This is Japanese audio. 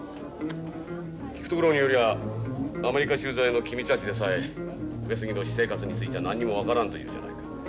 聞くところによりゃあアメリカ駐在の君たちでさえ上杉の私生活については何にも分からんというじゃないか。